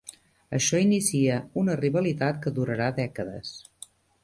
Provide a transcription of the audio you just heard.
Això inicia una rivalitat que durarà dècades.